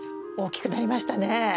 大きくなりましたね。